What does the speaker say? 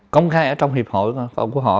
công khai ở trong hiệp hội của họ